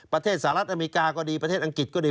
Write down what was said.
สหรัฐอเมริกาก็ดีประเทศอังกฤษก็ดี